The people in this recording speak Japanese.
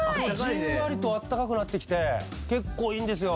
じんわりとあったかくなってきて結構いいんですよ。